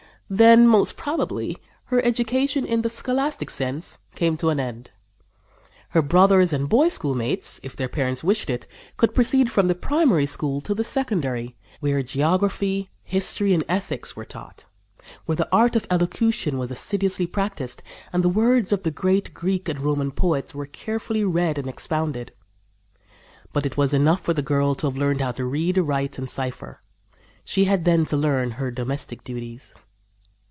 Then, most probably, her education in the scholastic sense came to an end. Her brothers and boy schoolmates, if their parents wished it, could proceed from the primary school to the secondary, where geography, history and ethics were taught; where the art of elocution was assiduously practiced and the works of the great Greek and Roman poets were carefully read and expounded; but it was enough for the girl to have learned how to read, write and cipher; she had then to learn her domestic duties."